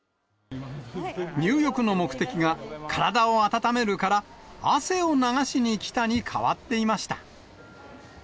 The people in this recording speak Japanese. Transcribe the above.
入浴の目的が、体を温めるから汗を流しにきたに変わっていました。